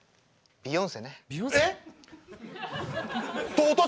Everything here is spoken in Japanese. ビヨンセの。